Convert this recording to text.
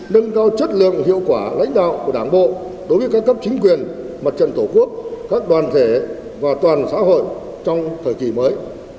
nâng cao chất lượng hiệu quả lãnh đạo của đảng bộ đối với các cấp chính quyền mặt trận tổ quốc các đoàn thể và toàn xã hội trong thời kỳ mới